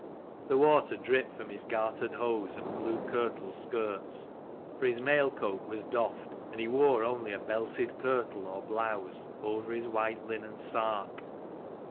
The water dripped from his gartered hose and blue kirtle skirts: for his mail coat was doffed, and he wore only a belted kirtle or blouse over his white linen sark.